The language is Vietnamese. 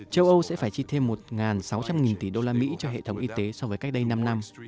châu âu sẽ phải chi thêm một sáu trăm linh tỷ đô la mỹ cho hệ thống y tế so với cách đây năm năm